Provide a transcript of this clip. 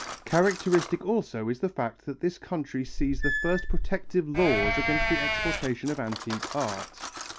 Characteristic also is the fact that this country sees the first protective laws against the exportation of antique art.